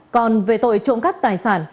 còn về tội trộm cắp tài sản